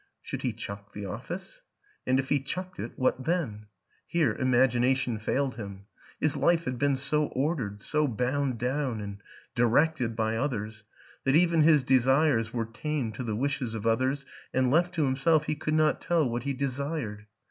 Should he chuck the office? and if he chucked it, what then? ... Here im agination failed him; his life had been so ordered, so bound down and directed by others, that even his desires were tamed to the wishes of others and left to himself he could not tell what he de sired.